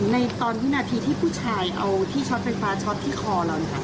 ในตอนวินาทีที่ผู้ชายเอาที่ช็อตไฟฟ้าช็อตที่คอเรานะคะ